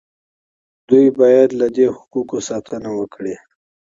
دوی باید له دې حقوقو ساتنه وکړي.